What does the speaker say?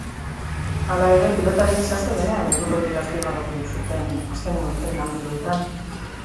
Hala ere, pilotariek sasoi onean helduko direla azpimarratu zuten azkenengo entrenamenduetan.